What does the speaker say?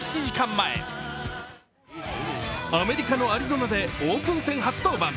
前アメリカのアリゾナでオープン戦初登板。